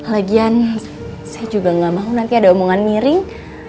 lagian saya juga gak mau nanti ada omongan miring